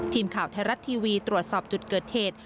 ทีมข่าวไทยรัฐทีวีตรวจสอบจุดเกิดเหตุ